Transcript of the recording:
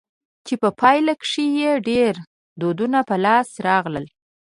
چي په پايله کښي ئې ډېر دودونه په لاس راغلل.